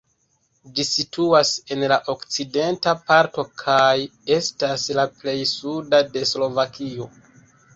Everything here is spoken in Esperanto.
Ĝi situas en la okcidenta parto kaj estas la plej suda de Slovakio.